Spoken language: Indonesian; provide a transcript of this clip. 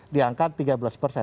diangkat tiga belas persen